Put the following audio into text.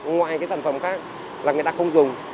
ngoài cái sản phẩm khác là người ta không dùng